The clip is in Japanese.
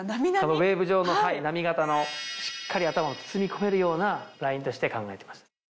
ウエーブ状の波形のしっかり頭を包み込めるようなラインとして考えてます。